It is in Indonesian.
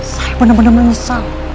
saya benar benar menyesal